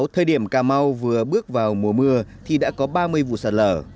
thời điểm cà mau vừa bước vào mùa mưa thì đã có ba mươi vụ sạt lở